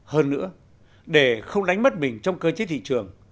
hơn nữa để không đánh mất mình trong cơ chế thị trường